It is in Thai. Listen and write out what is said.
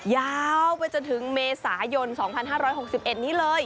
ยาวไปจนถึงเมษายน๒๕๖๑นี้เลย